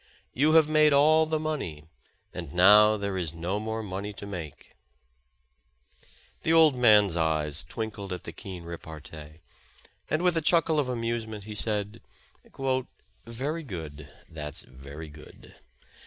You have made all the money, and now there is no more money to make." The old man's eyes twinkled at the keen repartee, and with a chuckle of amusement, he said: 273 The Original John Jacob Astor ''Very good, that's very good.